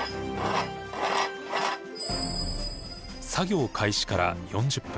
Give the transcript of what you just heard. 作業開始から４０分。